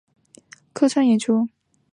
客串演出